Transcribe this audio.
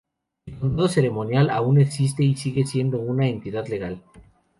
El condado ceremonial aún existe y sigue siendo una entidad legal.